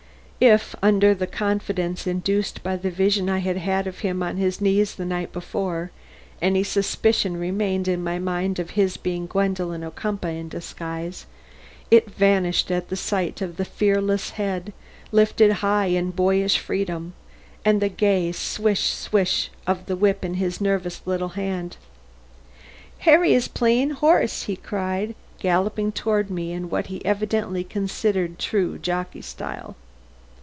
If, under the confidence induced by the vision I had had of him on his knees the night before, any suspicion remained in my mind of his being Gwendolen Ocumpaugh in disguise, it vanished at sight of the fearless head, lifted high in boyish freedom, and the gay swish, swish of the whip in his nervous little hand. "Harry is playing horse," he cried, galloping toward me in what he evidently considered true jockey style.